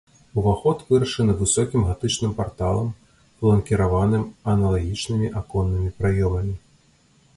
Уваход вырашаны высокім гатычным парталам, фланкіраваным аналагічнымі аконнымі праёмамі.